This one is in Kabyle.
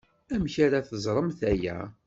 Amek ara teẓremt aya?